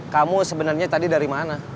kamu sebenarnya tadi dari mana